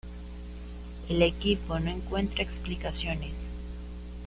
El equipo no encuentra explicaciones.